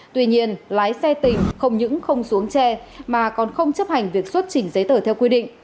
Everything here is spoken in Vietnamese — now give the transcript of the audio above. tuy nhiên lái xe tình không những không xuống che mà còn không chấp hành việc xuất chỉnh giấy tờ theo quy định